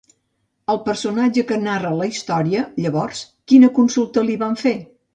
Al personatge que narra la història, llavors, quina consulta li van fer?